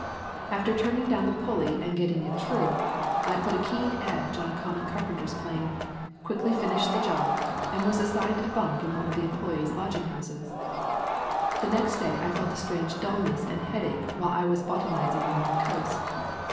After turning down the pulley and getting it true, I put a keen edge on a common carpenter's plane, quickly finished the job, and was assigned a bunk in one of the employees' lodging houses. The next day I felt a strange dullness and headache while I was botanizing along the coast.